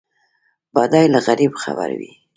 بډای له غریب خبر وي.